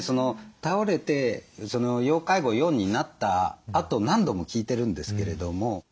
倒れて要介護４になったあと何度も聞いてるんですけれども